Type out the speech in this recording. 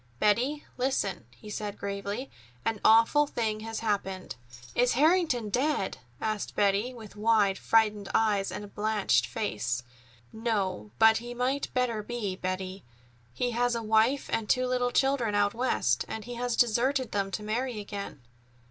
"Betty, listen," he said gravely. "An awful thing has happened." "Is Harrington dead?" asked Betty, with wide, frightened eyes and blanched face. "No, but he might better be, Betty. He has a wife and two little children out West, and he has deserted them to marry again."